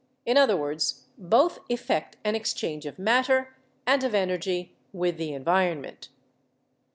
In other words, both effect an exchange of matter and of energy with the environment."